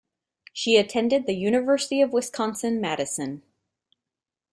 She attended the University of Wisconsin-Madison.